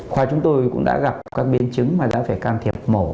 khoa chúng tôi cũng đã gặp các biến chứng mà đã phải can thiệp mổ